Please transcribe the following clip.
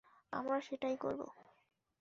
আমরা সেটাই করব।